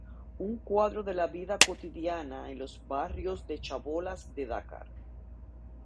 Un cuadro de la vida cotidiana en los barrios de chabolas de Dakar.